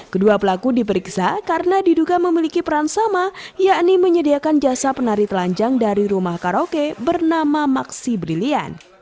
kedua pelaku diperiksa karena diduga memiliki peran sama yakni menyediakan jasa penari telanjang dari rumah karaoke bernama maksi brilian